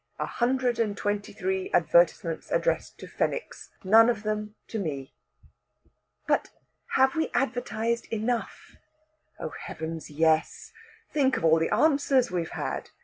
A hundred and twenty three advertisements addressed to Fenwicks none of them to me!" "But have we advertised enough?" "Oh, heavens, yes. Think of the answers we've had!